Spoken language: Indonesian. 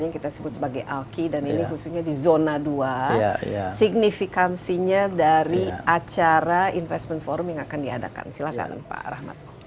nah ini dari segi wilayah